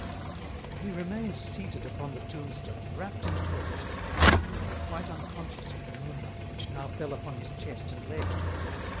He remained seated upon the tombstone, wrapped in thought, and apparently quite unconscious of the moonlight which now fell upon his chest and legs.